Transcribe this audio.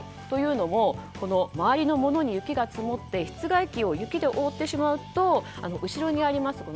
というのも、周りの物に雪が積もって室外機を雪で覆ってしまうと後ろにあります